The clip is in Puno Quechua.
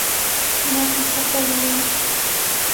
Makisapa wayna.